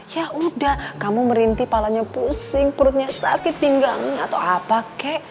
syah udah kamu merinti palanya pusing perutnya sakit pinggang atau apa kek